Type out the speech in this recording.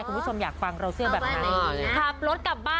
คุณผู้ชมอยากฟังเราเสื่อแบบ